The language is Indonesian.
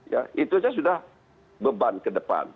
ya itu saja sudah beban ke depan